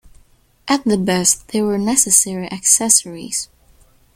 At the best, they were necessary accessories.